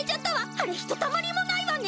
あれひとたまりもないわね。